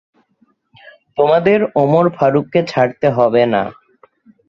তোমাদের ওমর ফারুককে ছাড়তে হবে না।